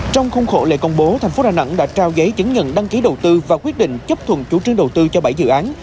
trong khuôn khổ lễ công bố thành phố đà nẵng đã trao giấy chứng nhận đăng ký đầu tư và quyết định chấp thuận chủ trương đầu tư cho bảy dự án